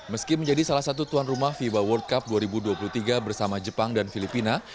meski menjadi salah satu tuan rumah fiba world cup dua ribu dua puluh tiga bersama jepang dan filipina